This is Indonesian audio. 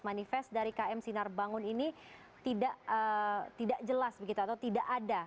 manifest dari km sinar bangun ini tidak jelas begitu atau tidak ada